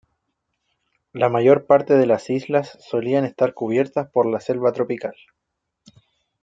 La mayor parte de las islas solían estar cubiertas por la selva tropical.